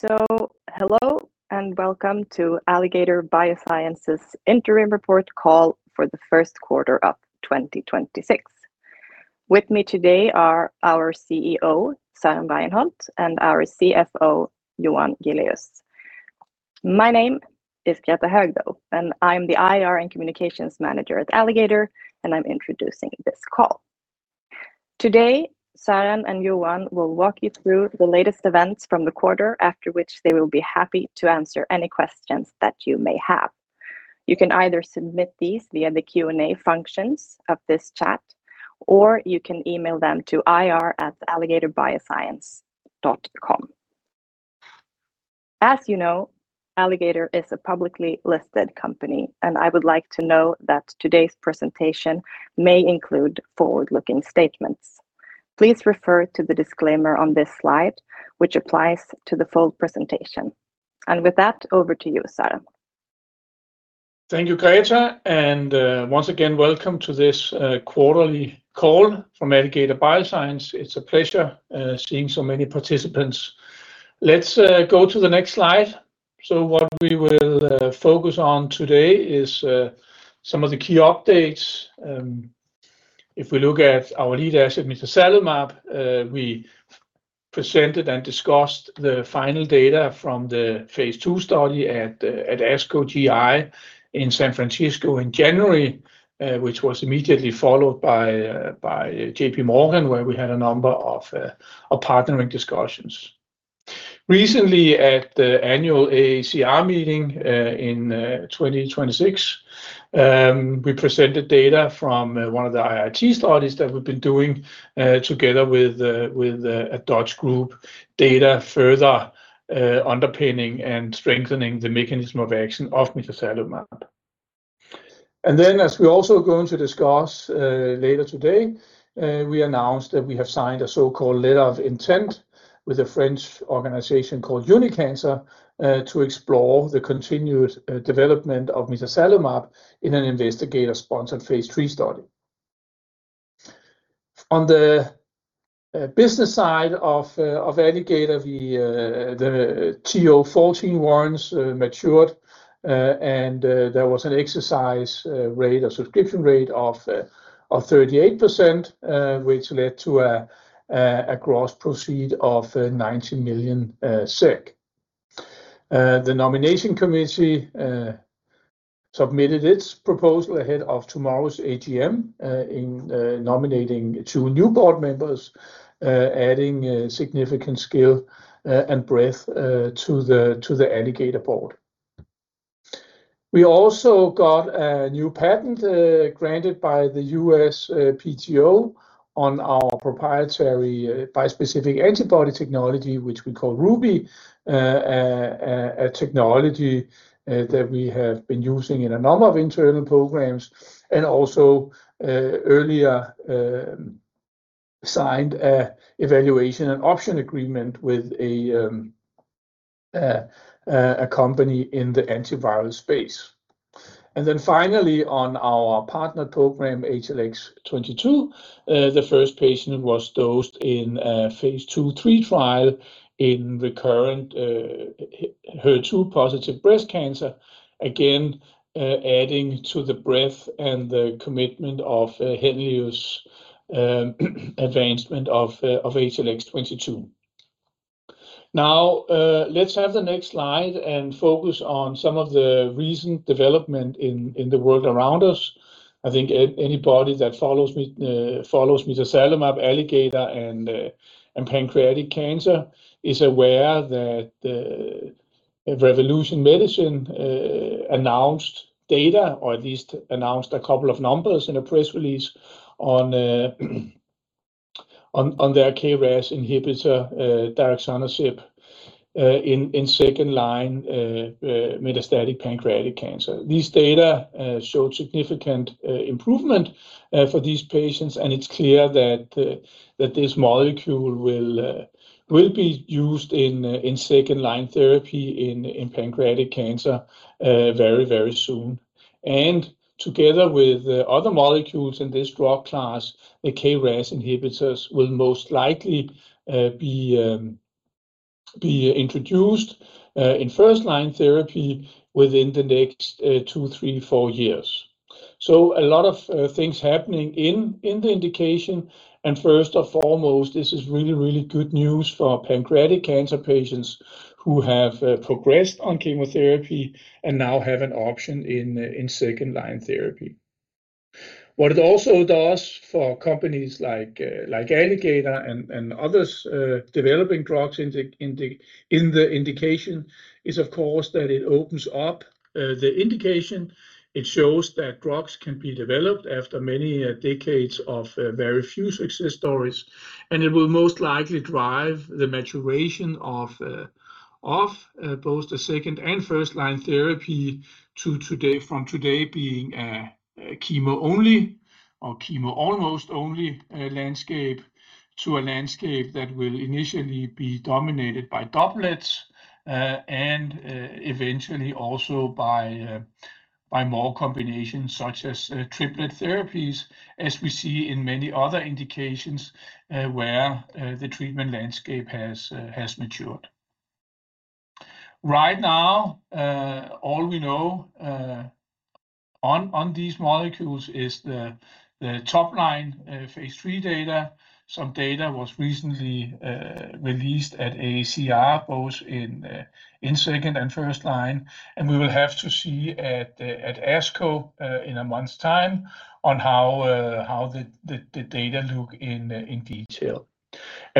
Hello, and welcome to Alligator Bioscience's interim report call for the first quarter of 2026. With me today are our CEO, Søren Bregenholt, and our CFO, Johan Giléus. My name is Greta Höög, and I'm the IR and Communications Manager at Alligator, and I'm introducing this call. Today, Søren and Johan will walk you through the latest events from the quarter, after which they will be happy to answer any questions that you may have. You can either submit these via the Q&A functions of this chat, or you can email them to ir@alligatorbioscience.com. As you know, Alligator is a publicly listed company, and I would like to note that today's presentation may include forward-looking statements. Please refer to the disclaimer on this slide, which applies to the full presentation. With that, over to you, Søren. Thank you, Greta. Once again, welcome to this quarterly call from Alligator Bioscience. It's a pleasure seeing so many participants. Let's go to the next slide. What we will focus on today is some of the key updates. If we look at our lead asset, mitazalimab, we presented and discussed the final data from the phase II study at ASCO GI in San Francisco in January, which was immediately followed by JPMorgan, where we had a number of partnering discussions. Recently at the annual AACR meeting in 2026, we presented data from one of the IIT studies that we've been doing together with a Dutch group, data further underpinning and strengthening the mechanism of action of mitazalimab. As we're also going to discuss later today, we announced that we have signed a so-called letter of intent with a French organization called Unicancer to explore the continued development of mitazalimab in an investigator-sponsored phase III study. On the business side of Alligator, the TO 14 warrants matured, and there was an exercise rate or subscription rate of 38%, which led to a gross proceed of 90 million SEK. The nomination committee submitted its proposal ahead of tomorrow's AGM in nominating two new board members, adding significant skill and breadth to the Alligator board. We also got a new patent granted by the U.S. PTO on our proprietary bispecific antibody technology, which we call RUBY. A technology that we have been using in a number of internal programs and also earlier signed a evaluation and option agreement with a company in the antiviral space. Finally, on our partner program, HLX22, the first patient was dosed in a phase II/III trial in recurrent HER2 positive breast cancer, again adding to the breadth and the commitment of Henlius advancement of HLX22. Now, let's have the next slide and focus on some of the recent development in the world around us. I think anybody that follows me, follows mitazalimab, Alligator and pancreatic cancer is aware that Revolution Medicines announced data or at least announced a couple of numbers in a press release on their KRAS inhibitor, daraxonrasib, in second-line metastatic pancreatic cancer. These data showed significant improvement for these patients, and it's clear that this molecule will be used in second-line therapy in pancreatic cancer very, very soon. Together with other molecules in this drug class, the KRAS inhibitors will most likely be introduced in first-line therapy within the next two, three, four years. A lot of things happening in the indication and first and foremost, this is really, really good news for pancreatic cancer patients who have progressed on chemotherapy and now have an option in second-line therapy. What it also does for companies like Alligator and others developing drugs in the, in the, in the indication is of course, that it opens up the indication. It shows that drugs can be developed after many decades of very few success stories. It will most likely drive the maturation of both the second- and first-line therapy to today, from today being a chemo-only or chemo-almost-only landscape to a landscape that will initially be dominated by doublets, and eventually also by more combinations such as triplet therapies as we see in many other indications, where the treatment landscape has matured. Right now, all we know on these molecules is the top line phase III data. Some data was recently released at AACR, both in second and first line. We will have to see at ASCO in a month's time on how the data look in detail.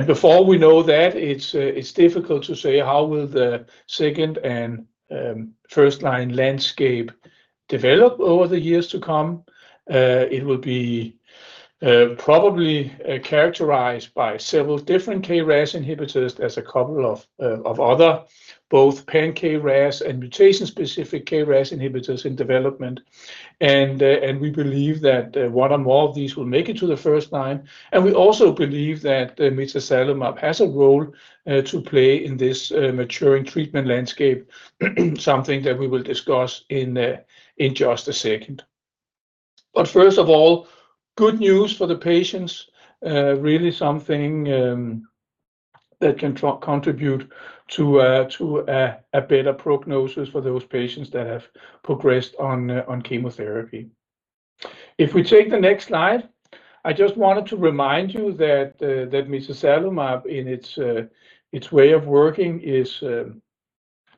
Before we know that, it's difficult to say how will the second and first line landscape develop over the years to come. It will be probably characterized by several different KRAS inhibitors. There's a couple of other, both pan-KRAS and mutation-specific KRAS inhibitors in development. We believe that one or more of these will make it to the first line. We also believe that mitazalimab has a role to play in this maturing treatment landscape, something that we will discuss in just a second. First of all, good news for the patients. Really something that can contribute to a better prognosis for those patients that have progressed on chemotherapy. If we take the next slide, I just wanted to remind you that mitazalimab in its way of working is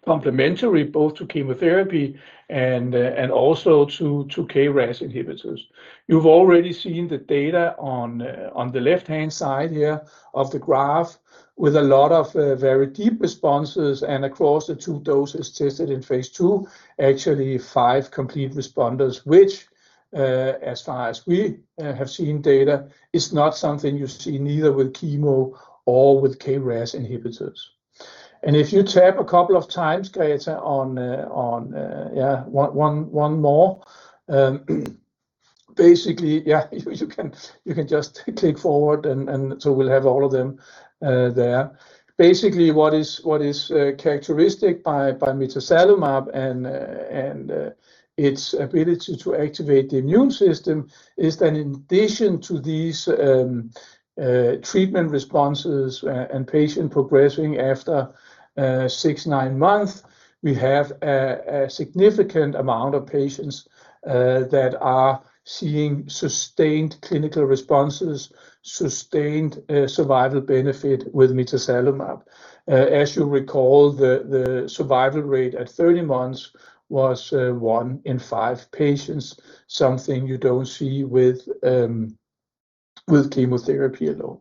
complementary both to chemotherapy and also to KRAS inhibitors. You've already seen the data on the left-hand side here of the graph with a lot of very deep responses and across the two doses tested in phase II, actually five complete responders, which as far as we have seen data, is not something you see neither with chemo or with KRAS inhibitors. If you tap a couple of times, Greta, on Yeah, one more. Basically, yeah, you can just click forward and so we'll have all of them there. Basically, what is characteristic by mitazalimab and its ability to activate the immune system is that in addition to these treatment responses and patient progressing after six, nine months, we have a significant amount of patients that are seeing sustained clinical responses, sustained survival benefit with mitazalimab. As you recall, the survival rate at 30 months was one in five patients, something you don't see with chemotherapy alone.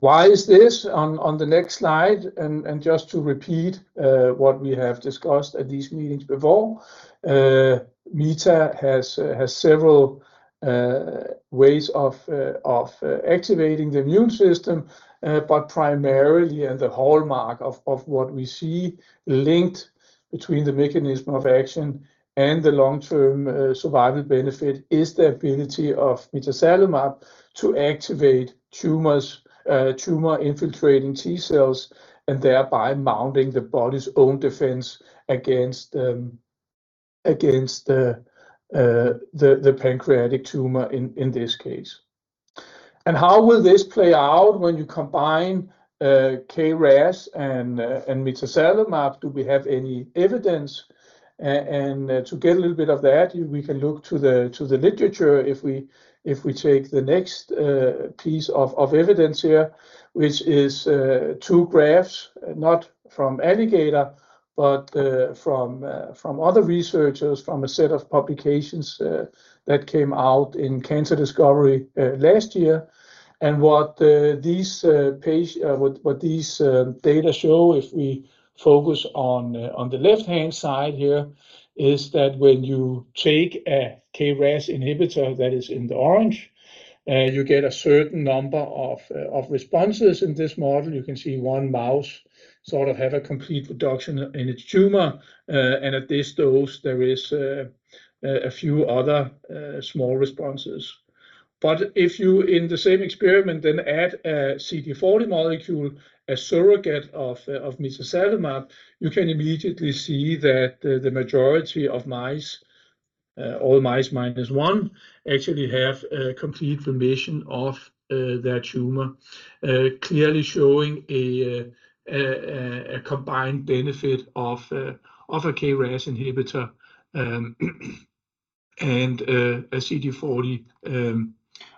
Why is this? On the next slide, and just to repeat what we have discussed at these meetings before. Mita has several ways of activating the immune system. Primarily and the hallmark of what we see linked between the mechanism of action and the long-term survival benefit is the ability of mitazalimab to activate tumors, tumor-infiltrating T-cells, and thereby mounting the body's own defense against the pancreatic tumor in this case. How will this play out when you combine KRAS and mitazalimab? Do we have any evidence? To get a little bit of that, we can look to the literature if we take the next piece of evidence here, which is two graphs, not from Alligator, but from other researchers, from a set of publications that came out in Cancer Discovery last year. What these data show if we focus on the left-hand side here, is that when you take a KRAS inhibitor that is in the orange, you get a certain number of responses in this model. You can see one mouse sort of have a complete reduction in its tumor. At this dose, there is a few other small responses. If you, in the same experiment, add a CD40 molecule, a surrogate of mitazalimab, you can immediately see that the majority of mice, all mice minus one, actually have a complete remission of their tumor. Clearly showing a combined benefit of a KRAS inhibitor and a CD40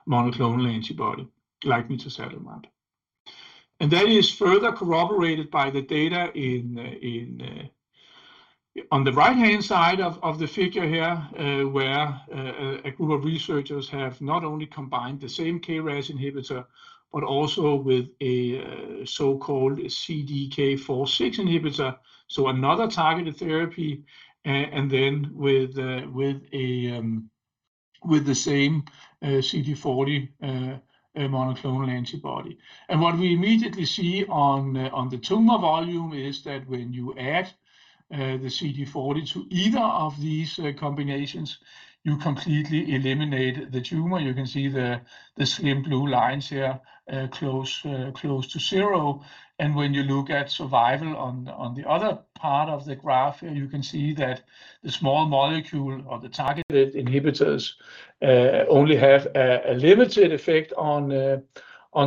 monoclonal antibody like mitazalimab. That is further corroborated by the data on the right-hand side of the figure here, where a group of researchers have not only combined the same KRAS inhibitor, but also with a so-called CDK4/6 inhibitor, so another targeted therapy, and then with the same CD40 monoclonal antibody. What we immediately see on the tumor volume is that when you add the CD40 to either of these combinations you completely eliminate the tumor. You can see the slim blue lines here, close to zero. When you look at survival on the other part of the graph here, you can see that the small molecule or the targeted inhibitors only have a limited effect on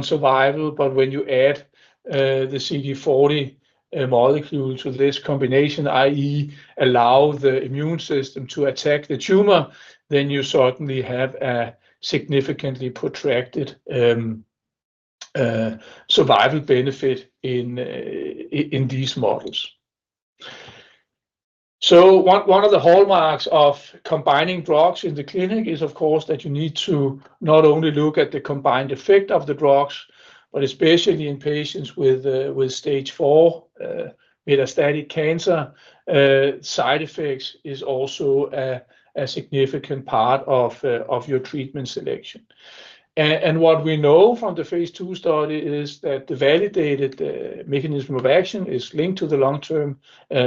survival. When you add the CD40 molecule to this combination, i.e. allow the immune system to attack the tumor, then you certainly have a significantly protracted survival benefit in these models. One of the hallmarks of combining drugs in the clinic is, of course, that you need to not only look at the combined effect of the drugs, but especially in patients with stage 4 metastatic cancer, side effects is also a significant part of your treatment selection. What we know from the phase II study is that the validated mechanism of action is linked to the long-term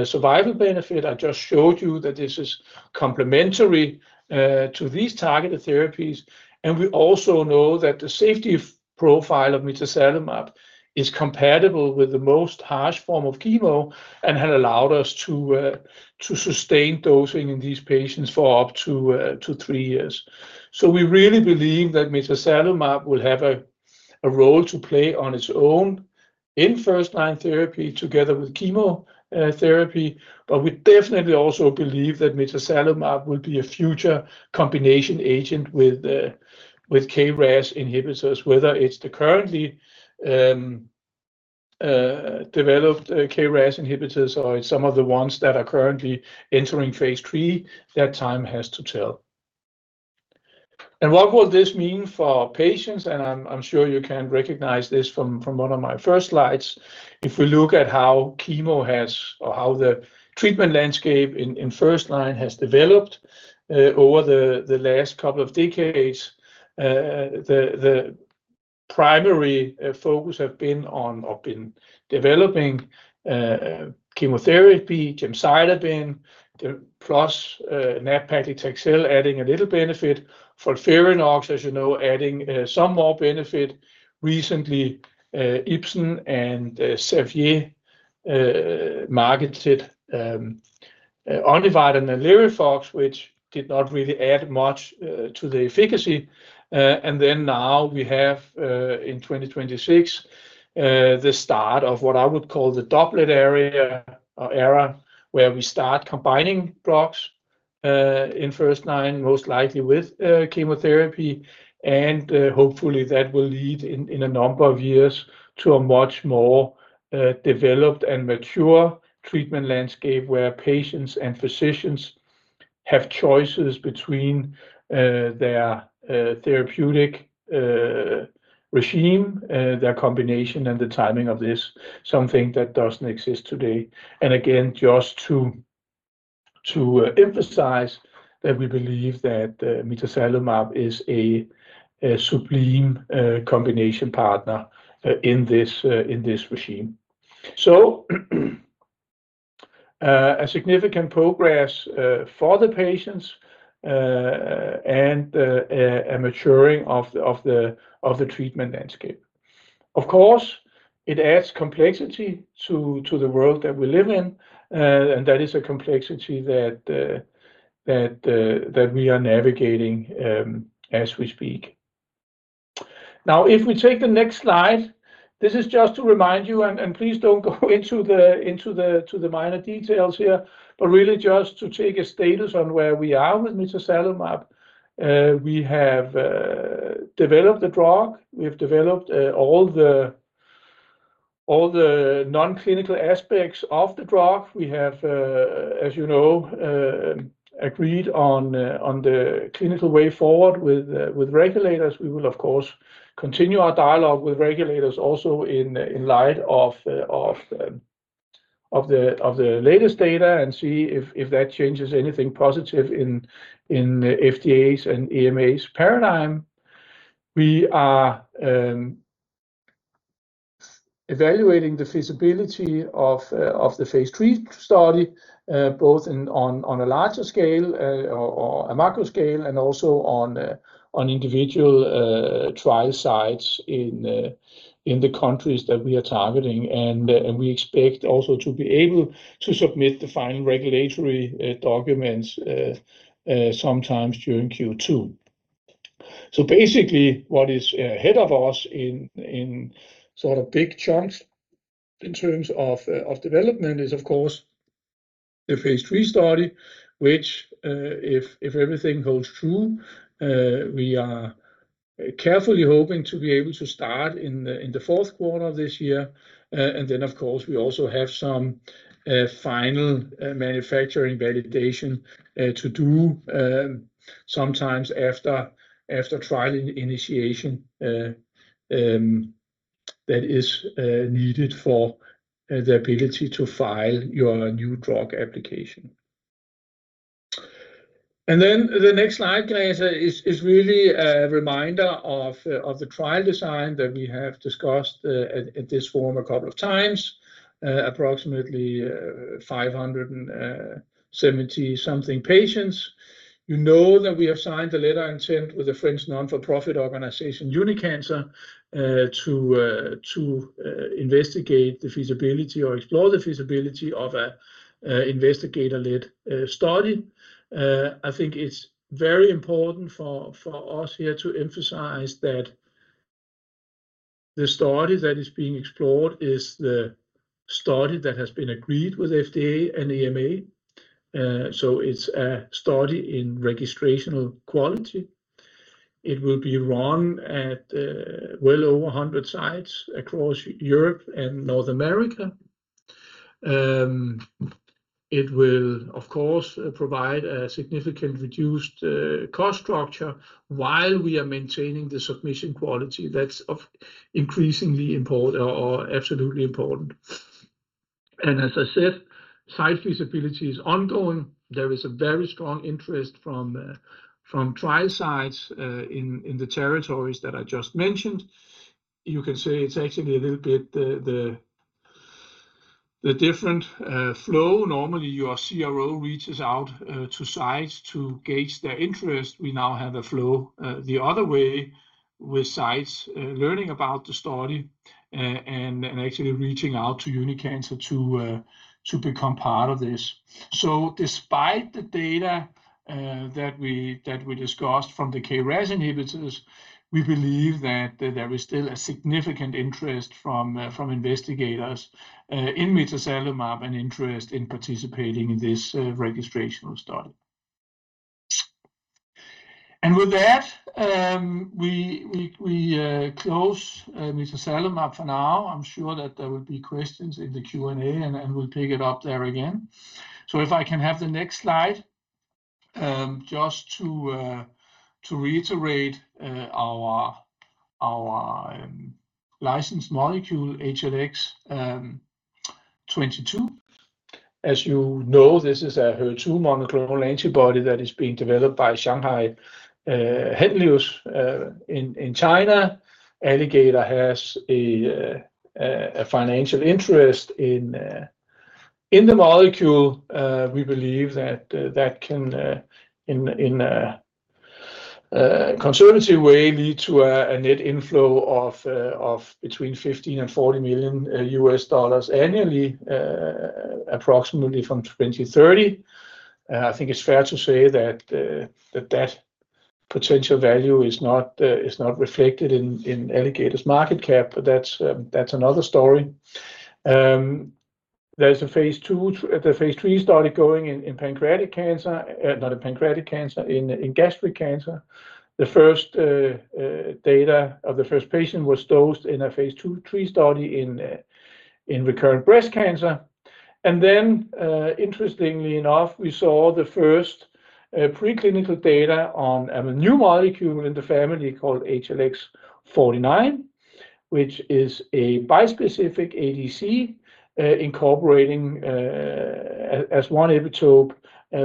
survival benefit. I just showed you that this is complementary to these targeted therapies. We also know that the safety profile of mitazalimab is compatible with the most harsh form of chemo and had allowed us to sustain dosing in these patients for up to three years. We really believe that mitazalimab will have a role to play on its own in first-line therapy together with chemo therapy. We definitely also believe that mitazalimab will be a future combination agent with KRAS inhibitors, whether it's the currently developed KRAS inhibitors or some of the ones that are currently entering phase III, that time has to tell. What will this mean for patients? I'm sure you can recognize this from one of my first slides. If we look at how chemo has, or how the treatment landscape in first line has developed, over the last couple of decades, the primary focus have been on or been developing, chemotherapy, gemcitabine, the plus nab-paclitaxel adding a little benefit. FOLFIRINOX, as you know, adding some more benefit. Recently, Ipsen and Servier marketed ONIVYDE and NALIRIFOX, which did not really add much to the efficacy. Now we have in 2026, the start of what I would call the doublet era where we start combining drugs in first line, most likely with chemotherapy. Hopefully that will lead in a number of years to a much more developed and mature treatment landscape where patients and physicians have choices between their therapeutic regime, their combination and the timing of this, something that doesn't exist today. Again, just to emphasize that we believe that mitazalimab is a sublime combination partner in this regime. A significant progress for the patients and a maturing of the treatment landscape. Of course, it adds complexity to the world that we live in. That is a complexity that we are navigating as we speak. If we take the next slide, this is just to remind you, please don't go into the minor details here, but really just to take a status on where we are with mitazalimab. We have developed the drug. We've developed all the non-clinical aspects of the drug. We have, as you know, agreed on the clinical way forward with regulators. We will of course continue our dialogue with regulators also in light of the latest data and see if that changes anything positive in FDA's and EMA's paradigm. We are evaluating the feasibility of the phase III study, both on a larger scale, or a macro scale and also on individual trial sites in the countries that we are targeting. We expect also to be able to submit the final regulatory documents sometimes during Q2. Basically what is ahead of us in sort of big chunks in terms of development is of course the phase III study, which, if everything holds true, we are carefully hoping to be able to start in the fourth quarter of this year. Of course we also have some final manufacturing validation to do sometimes after trial initiation that is needed for the ability to file your new drug application. The next slide, Greta Höög, is really a reminder of the trial design that we have discussed at this forum a couple of times. Approximately 570-something patients. You know that we have signed a letter of intent with a French non-for-profit organization, Unicancer, to investigate the feasibility or explore the feasibility of a investigator-led study. I think it's very important for us here to emphasize that the study that is being explored is the study that has been agreed with FDA and EMA. It's a study in registrational quality. It will be run at well over 100 sites across Europe and North America. It will of course provide a significant reduced cost structure while we are maintaining the submission quality that's of increasingly or absolutely important. As I said, site feasibility is ongoing. There is a very strong interest from trial sites in the territories that I just mentioned. You can say it's actually a little bit the different flow. Normally, your CRO reaches out to sites to gauge their interest. We now have a flow the other way with sites learning about the study and actually reaching out to Unicancer to become part of this. Despite the data that we discussed from the KRAS inhibitors, we believe that there is still a significant interest from investigators in mitazalimab and interest in participating in this registrational study. With that, we close mitazalimab for now. I'm sure that there will be questions in the Q&A, and we'll pick it up there again. If I can have the next slide, just to reiterate our licensed molecule, HLX 22. As you know, this is a HER2 monoclonal antibody that is being developed by Shanghai Henlius in China. Alligator has a financial interest in the molecule. We believe that that can in a conservative way lead to a net inflow of between $15 million and $40 million annually, approximately from 2030. I think it's fair to say that that potential value is not reflected in Alligator's market cap, but that's another story. There's a phase III study going in gastric cancer. The first data of the first patient was dosed in a phase II/III study in recurrent breast cancer. Interestingly enough, we saw the first pre-clinical data on a new molecule in the family called HLX49, which is a bispecific ADC, incorporating as one epitope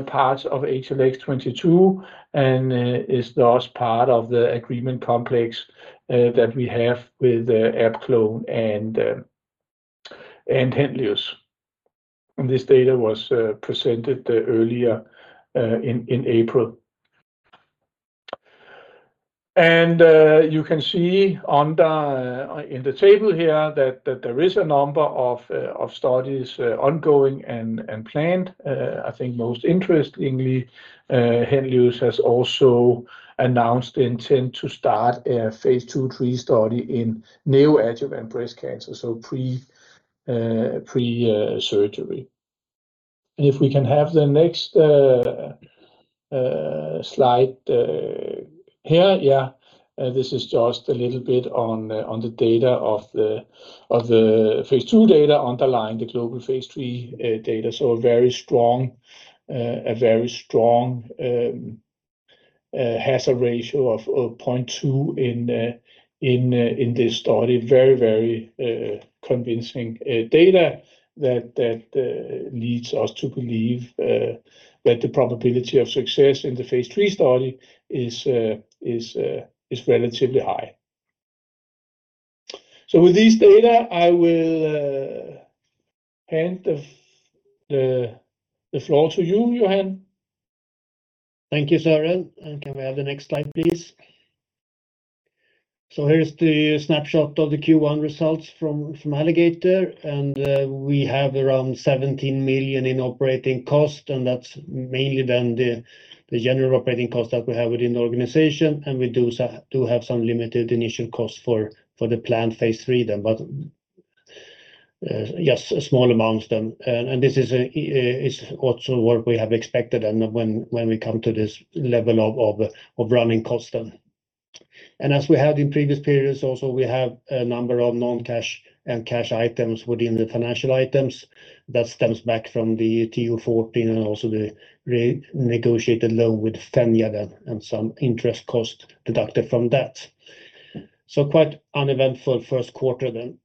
parts of HLX22, and is thus part of the agreement complex that we have with AbClon and Henlius. This data was presented earlier in April. You can see in the table here that there is a number of studies ongoing and planned. I think most interestingly, Henlius has also announced the intent to start a phase II, III study in neoadjuvant breast cancer, so pre-surgery. If we can have the next slide here. Yeah. This is just a little bit on the data of the phase II data underlying the global phase III data. A very strong, a very strong hazard ratio of 0.2 in this study. Very, very convincing data that leads us to believe that the probability of success in the phase III study is relatively high. With this data, I will hand the floor to you, Johan. Thank you, Søren. Can we have the next slide, please. Here is the snapshot of the Q1 results from Alligator, we have around 17 million in operating cost, and that's mainly the general operating cost that we have within the organization, and we do have some limited initial costs for the planned phase III then. Yes, small amounts then. This is also what we have expected when we come to this level of running cost then. As we had in previous periods also, we have a number of non-cash and cash items within the financial items that stems back from the TO 14 and also the re-negotiated loan with Fenja and some interest cost deducted from that. Quite uneventful first quarter then.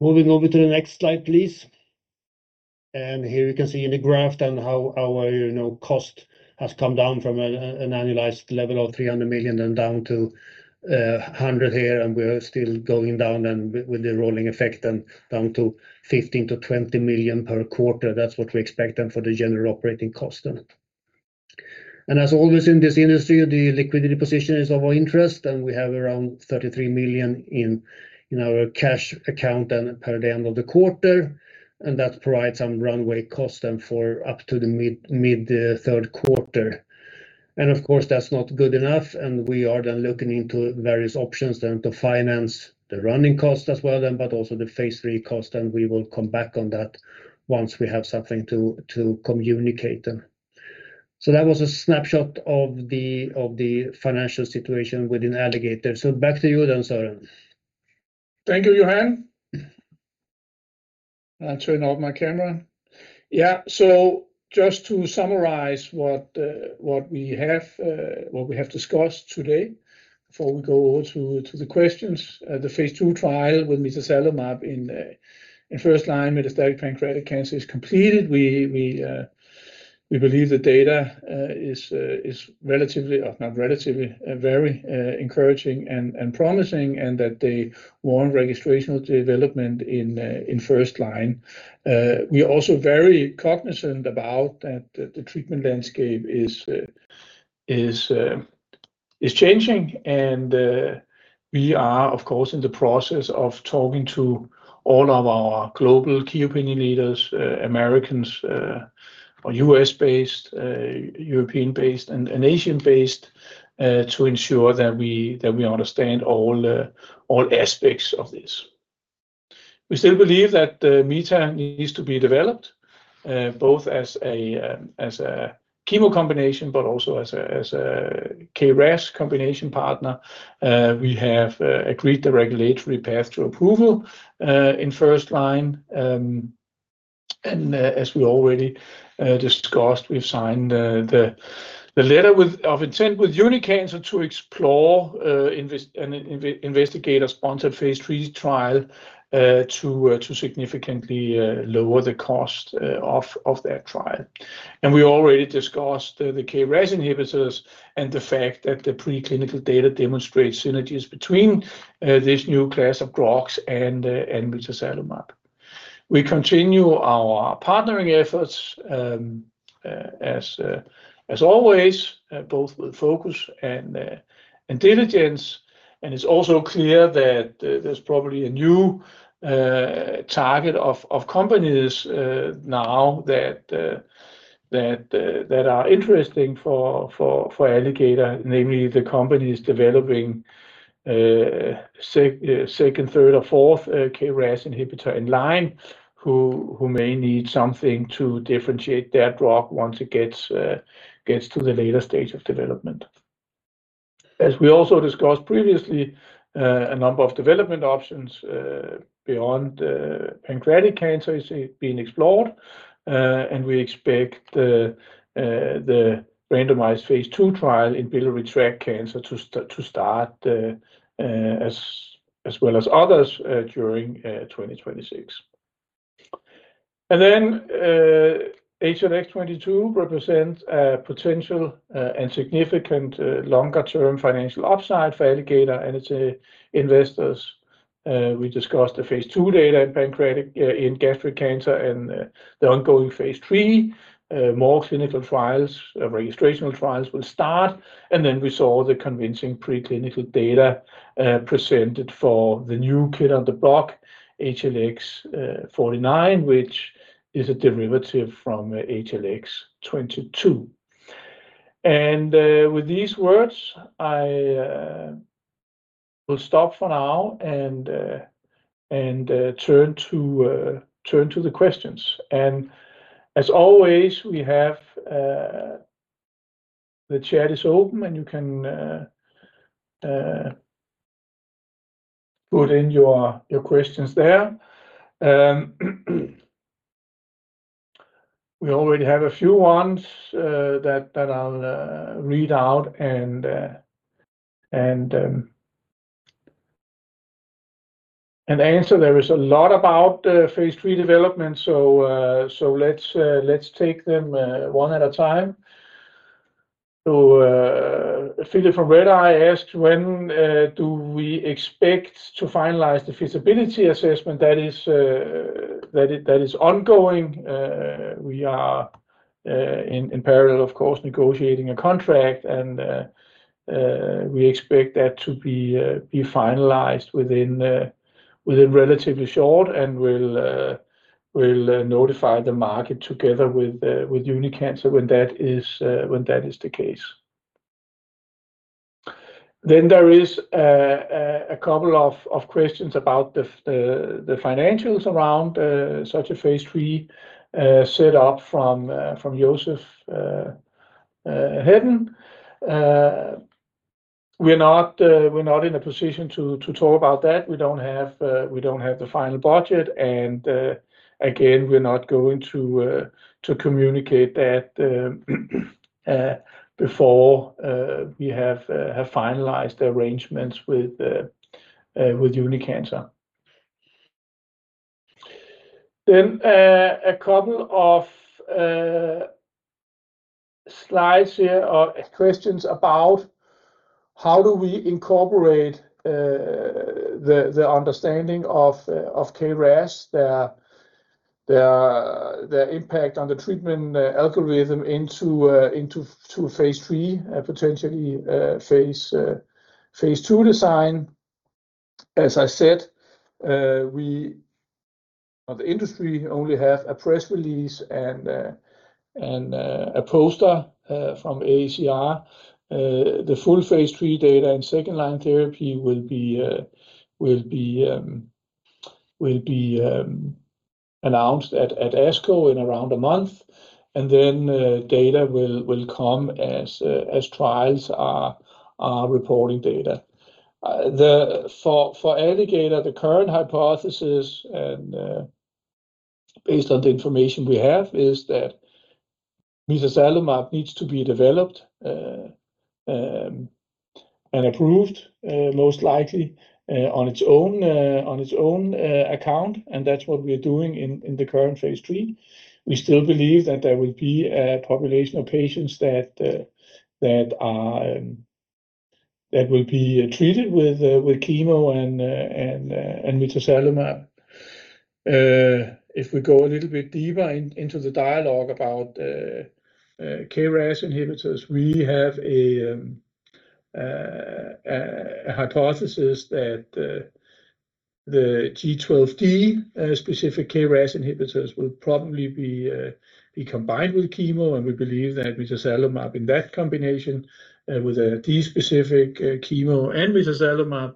Moving over to the next slide, please. Here you can see in the graph then how our, you know, cost has come down from an annualized level of 300 million and down to 100 million here, and we are still going down with the rolling effect and down to 15 million-20 million per quarter. That's what we expect then for the general operating cost then. As always in this industry, the liquidity position is of our interest, and we have around 33 million in our cash account and per the end of the quarter, and that provides some runway cost then for up to the mid third quarter. Of course, that's not good enough. We are then looking into various options then to finance the running cost as well then, but also the phase III cost. We will come back on that once we have something to communicate then. That was a snapshot of the financial situation within Alligator. Back to you then, Søren. Thank you, Johan. I'll turn off my camera. Yeah, just to summarize what we have discussed today before we go over to the questions. The phase II trial with mitazalimab in first line metastatic pancreatic cancer is completed. We believe the data is relatively, or not relatively, very encouraging and promising and that they warrant registrational development in first line. We are also very cognizant about that the treatment landscape is changing. We are of course in the process of talking to all of our global key opinion leaders, Americans, or U.S.-based, European-based and Asian-based to ensure that we understand all aspects of this. We still believe that the mita needs to be developed, both as a chemo combination but also as a KRAS combination partner. We have agreed the regulatory path to approval in first line, as we already discussed we've signed the letter of intent with Unicancer to explore an investigator-sponsored phase III trial to significantly lower the cost of that trial. We already discussed the KRAS inhibitors and the fact that the preclinical data demonstrates synergies between this new class of drugs and mitazalimab. We continue our partnering efforts as always, both with focus and diligence, and it's also clear that there's probably a new target of companies now that are interesting for Alligator, namely the companies developing second, third, or fourth KRAS inhibitor in line who may need something to differentiate that drug once it gets to the later stage of development. As we also discussed previously, a number of development options beyond pancreatic cancer is being explored, and we expect the randomized phase II trial in biliary tract cancer to start as well as others during 2026. HLX22 represents a potential and significant longer term financial upside for Alligator Bioscience and its investors. We discussed the phase II data in pancreatic in gastric cancer and the ongoing phase III. More clinical trials, registrational trials will start, and then we saw the convincing preclinical data presented for the new kid on the block, HLX49, which is a derivative from HLX22. With these words, I will stop for now and turn to the questions. As always, we have the chat is open and you can put in your questions there. We already have a few ones that I'll read out and answer. There is a lot about phase III development, let's take them one at a time. Philip from Redeye asked, "When do we expect to finalize the feasibility assessment?" That is ongoing. We are in parallel of course negotiating a contract and we expect that to be finalized within relatively short and we'll notify the market together with Unicancer when that is the case. There is a couple of questions about the financials around such a phase III set up from Josef Hiddensee. We're not in a position to talk about that. We don't have the final budget and again, we're not going to communicate that before we have finalized arrangements with Unicancer. A couple of slides here or questions about how do we incorporate the understanding of KRAS, the impact on the treatment algorithm into phase III, potentially phase II design. As I said, we the industry only have a press release and a poster from AACR. The full phase III data and second-line therapy will be announced at ASCO in around a month, data will come as trials are reporting data. For Alligator, the current hypothesis and based on the information we have is that mitazalimab needs to be developed and approved most likely on its own account, and that's what we're doing in the current phase III. We still believe that there will be a population of patients that are that will be treated with chemo and mitazalimab. If we go a little bit deeper into the dialogue about KRAS inhibitors, we have a hypothesis that the G12D-specific KRAS inhibitors will probably be combined with chemo, and we believe that mitazalimab in that combination with a G12D-specific chemo and mitazalimab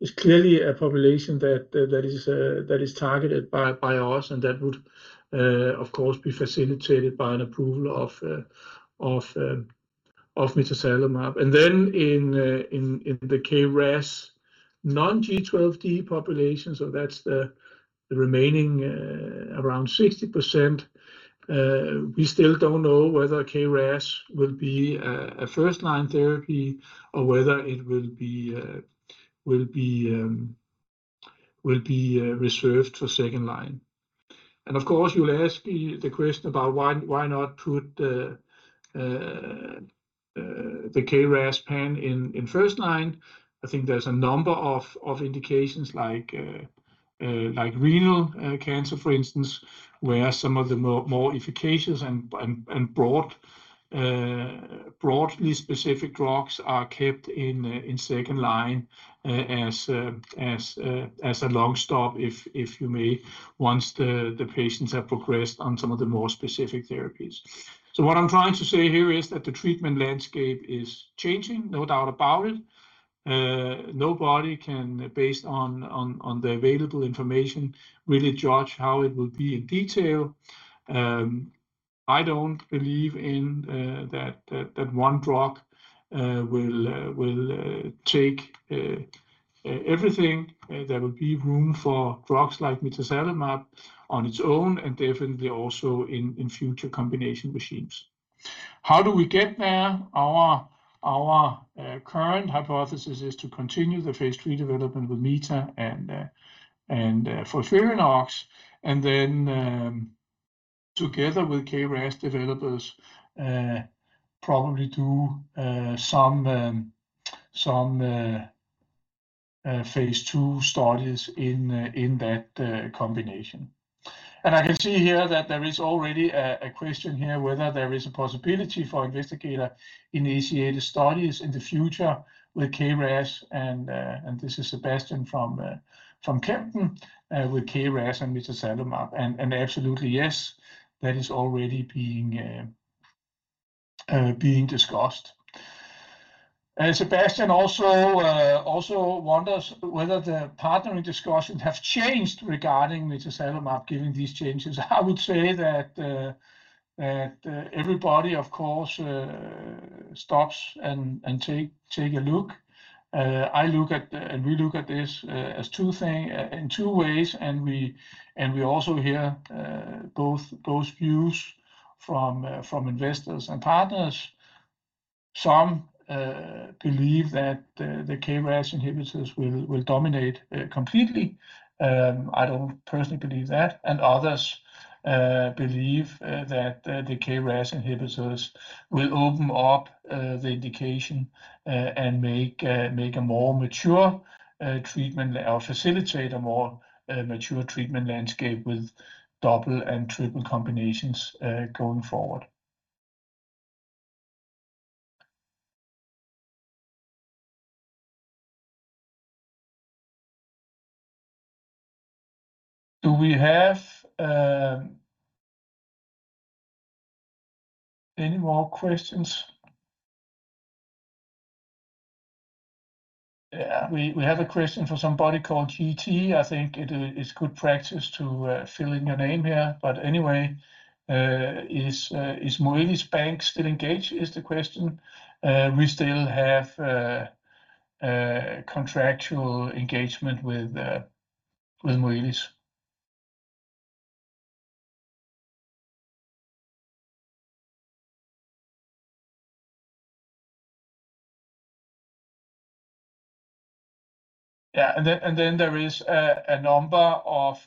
is clearly a population that is targeted by us and that would, of course, be facilitated by an approval of mitazalimab. In the KRAS non-G12D population, that's the remaining around 60%, we still don't know whether KRAS will be a first-line therapy or whether it will be reserved for second line. Of course, you'll ask the question about why not put the KRAS pan in first line. I think there's a number of indications like renal cancer for instance, where some of the more efficacious and broadly specific drugs are kept in second line as a long stop if you may, once the patients have progressed on some of the more specific therapies. What I'm trying to say here is that the treatment landscape is changing, no doubt about it. Nobody can, based on the available information, really judge how it will be in detail. I don't believe in that one drug will take everything. There will be room for drugs like mitazalimab on its own, and definitely also in future combination regimes. How do we get there? Our current hypothesis is to continue the phase III development with mita and FOLFIRINOX, and then together with KRAS developers, probably do some phase II studies in that combination. I can see here that there is already a question here whether there is a possibility for investigator-initiated studies in the future with KRAS, and this is Sebastian from Kempen, with KRAS and mitazalimab. Absolutely, yes, that is already being discussed. Sebastian also wonders whether the partnering discussions have changed regarding mitazalimab given these changes. I would say that everybody of course stops and take a look. We look at this as two thing in two ways, and we also hear both views from investors and partners. Some believe that the KRAS inhibitors will dominate completely. I don't personally believe that. Others believe that the KRAS inhibitors will open up the indication and make a more mature treatment or facilitate a more mature treatment landscape with double and triple combinations going forward. Do we have any more questions? Yeah. We have a question from somebody called GT. I think it is good practice to fill in your name here. Is Moelis & Company still engaged, is the question. We still have a contractual engagement with Moelis. Yeah. There is a number of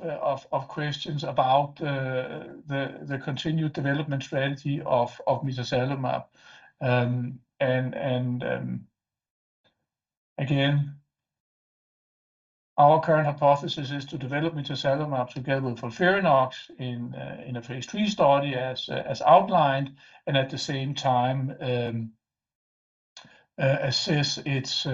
questions about the continued development strategy of mitazalimab. And again, our current hypothesis is to develop mitazalimab together with FOLFIRINOX in a phase III study as outlined, and at the same time assess its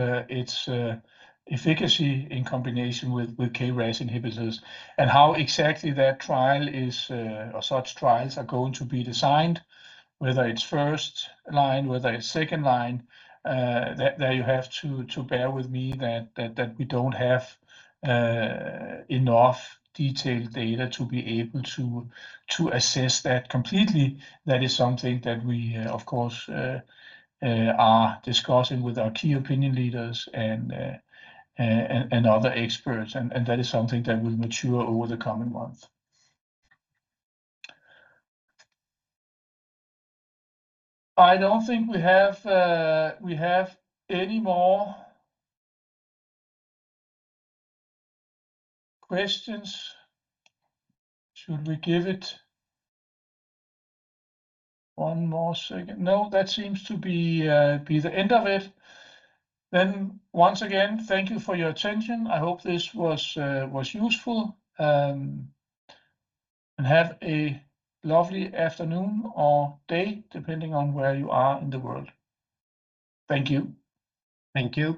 efficacy in combination with KRAS inhibitors. How exactly that trial is or such trials are going to be designed, whether it's first line, whether it's second line, there you have to bear with me that we don't have enough detailed data to be able to assess that completely. That is something that we, of course, are discussing with our key opinion leaders and other experts, and that is something that will mature over the coming months. I don't think we have, we have any more questions. Should we give it one more second? No, that seems to be the end of it. Once again, thank you for your attention. I hope this was useful. Have a lovely afternoon or day, depending on where you are in the world. Thank you. Thank you.